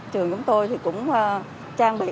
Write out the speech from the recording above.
trường chúng tôi cũng trang bị